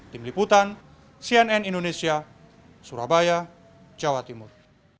tim liputan cnn indonesia surabaya jawa timur